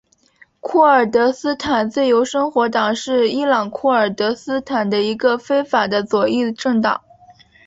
库尔德斯坦自由生活党是伊朗库尔德斯坦的一个非法的左翼政党。